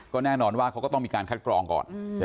ก็แน่นอนว่าเขาก็ต้องมีการคัดกรองก่อนใช่ไหม